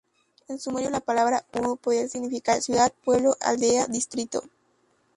En sumerio, la palabra "uru" podía significar 'ciudad, pueblo, aldea, distrito'.